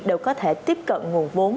đều có thể tiếp cận nguồn vốn